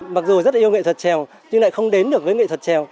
mặc dù rất yêu nghệ thuật trèo nhưng lại không đến được với nghệ thuật trèo